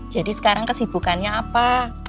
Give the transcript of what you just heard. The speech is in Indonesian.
jadi sekarang kesibukannya apa